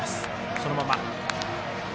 そのまま。